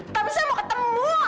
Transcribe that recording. tapi saya mau ketemu